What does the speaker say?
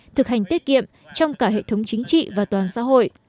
thực hành tiết kiệm trong cả hệ thống chính trị và toàn xã hội